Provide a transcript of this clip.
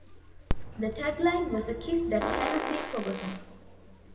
The tagline was A kiss that cannot be forgotten!